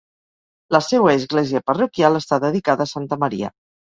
La seua església parroquial està dedicada a Santa Maria.